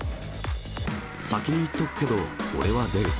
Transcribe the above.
先に言っとくけど、俺は出る。